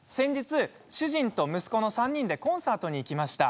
主人と息子の３人でコンサートに行きました。